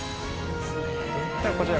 こちら。